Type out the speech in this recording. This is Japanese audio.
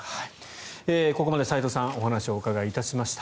ここまで齋藤さんにお話をお伺いいたしました。